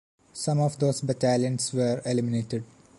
Some of those battalions were eliminated.